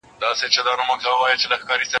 کرۍ ورځ په کور کي لوبي او نڅا کړي